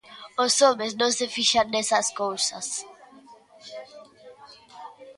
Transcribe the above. Os homes non se fixan nesas cousas.